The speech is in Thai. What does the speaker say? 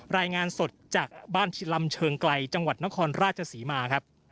รายงานสดจากบ้านชิลำเชิงไกลจังหวัดนครราชศรีมาครับ